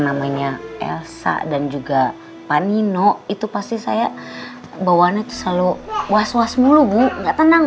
namanya elsa dan juga panino itu pasti saya bawaannya selalu was was mulu bu nggak tenang